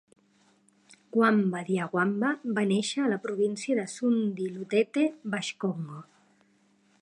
Wamba dia Wamba va néixer a la província de Sundi-Lutete, baix-Congo.